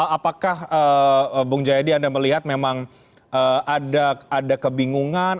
apakah bung jayadi anda melihat memang ada kebingungan